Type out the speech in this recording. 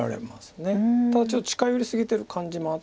ただちょっと近寄り過ぎてる感じもあって。